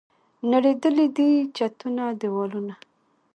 نړېدلي دي چتونه، دیوالونه